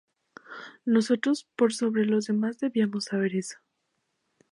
Nosotros por sobre los demás debíamos saber eso.